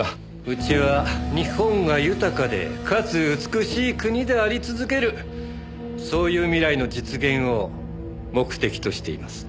うちは日本が豊かでかつ美しい国であり続けるそういう未来の実現を目的としています。